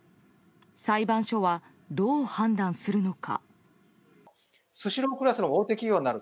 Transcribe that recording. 裁判所はどう判断するのか。